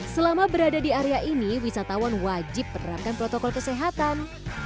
selama berada di area ini wisatawan wajib menerapkan protokol kesehatan